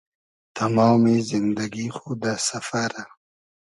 تئمامی زیندئگی خو دۂ سئفئرۂ